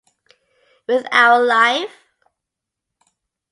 With our life?